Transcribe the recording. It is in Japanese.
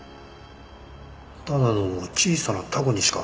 ただの小さなタコにしか。